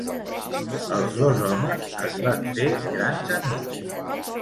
Els dos homes es van fer grans amics.